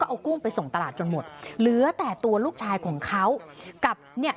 เอากุ้งไปส่งตลาดจนหมดเหลือแต่ตัวลูกชายของเขากับเนี่ย